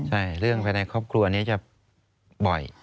ใช่เรื่องภายในครอบครัวนี้จะบ่อย